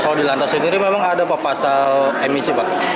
kalau dilantasi sendiri memang ada apa pasal emisi pak